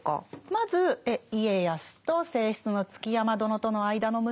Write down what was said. まず家康と正室の築山殿との間の息子が信康ですね。